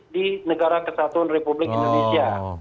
di negara kesatuan republik indonesia